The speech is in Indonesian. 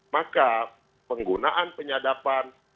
maka penggunaan penyadapan